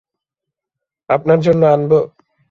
আপনার জন্য আনবো?